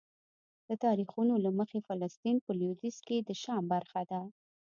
د تاریخونو له مخې فلسطین په لویدیځ کې د شام برخه ده.